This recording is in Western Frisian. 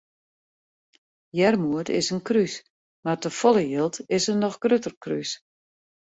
Earmoede is in krús mar te folle jild is in noch grutter krús.